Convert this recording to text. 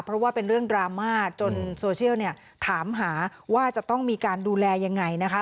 เพราะว่าเป็นเรื่องดราม่าจนโซเชียลเนี่ยถามหาว่าจะต้องมีการดูแลยังไงนะคะ